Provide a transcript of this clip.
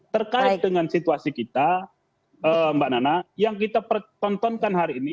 terkait dengan situasi kita mbak nana yang kita pertontonkan hari ini